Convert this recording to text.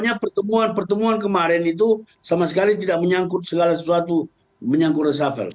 artinya pertemuan pertemuan kemarin itu sama sekali tidak menyangkut segala sesuatu menyangkut reshuffle